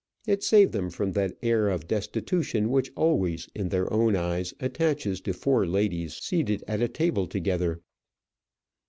It saved them from that air of destitution which always, in their own eyes, attaches to four ladies seated at a table together.